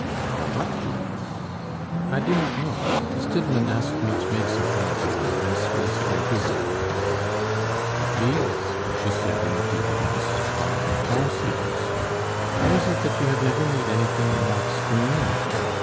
"For what jeweler?" "I do not know. Stidmann asked me to make something out of them, as he is very busy." "But these," she said in a deep voice, "are Hortensias. How is it that you have never made anything in wax for me?